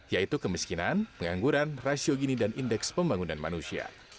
yaitu kemiskinan pengangguran rasio gini dan indeks pembangunan manusia